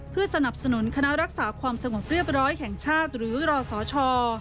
เพื่อสนับสนุนคณะรักษาความสงบเรียบร้อยแห่งชาติหรือรอสช